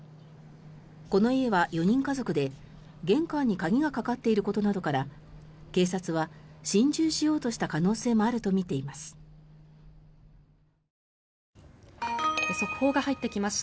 この家は４人家族で、玄関に鍵がかかっていることなどから警察は、心中しようとした可能性もあるとみています。